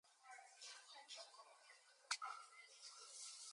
The majority of the family moved as refugees to France during this time.